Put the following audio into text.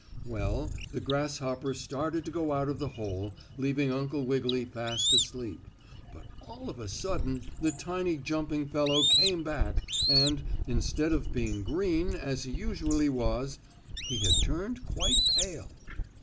Well, the grasshopper started to go out of the hole, leaving Uncle Wiggily fast asleep, but, all of a sudden the tiny jumping fellow came back, and, instead of being green, as he usually was, he had turned quite pale.